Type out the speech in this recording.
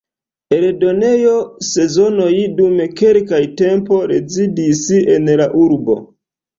Eldonejo Sezonoj dum kelka tempo rezidis en la urbo.